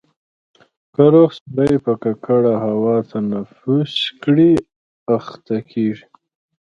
که روغ سړی په ککړه هوا تنفس کړي اخته کېږي.